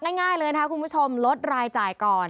ง่ายเลยนะคะคุณผู้ชมลดรายจ่ายก่อน